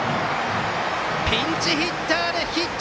ピンチヒッターでヒット！